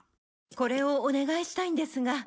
これをお願いしたいんですが。